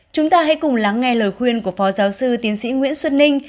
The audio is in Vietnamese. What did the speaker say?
chúng ta hãy cùng lắng nghe lời khuyên của phó giáo sư tiến sĩ nguyễn xuân ninh